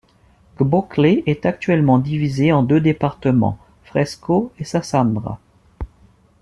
Gbôklé est actuellement divisée en deux départements: Fresco et Sassandra.